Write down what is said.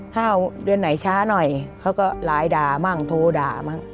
ถ้าเดือนไหนช้าหน่อยเขาก็หลายด่าบ้างโทด่าบ้าง